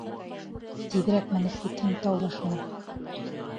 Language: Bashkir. — Тиҙерәк менеп етһен тау башына!!!